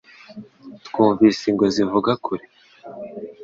Twumvise ingwe zivuga kure